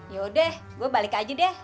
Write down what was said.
yaudah gue balik aja deh